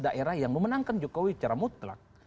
daerah yang memenangkan jokowi secara mutlak